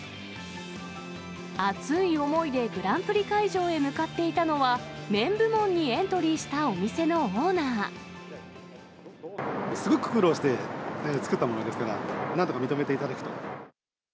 熱い思いでグランプリ会場へ向かっていたのは、麺部門にエントリすごく苦労して作ったものですから、なんとか認めていただくと。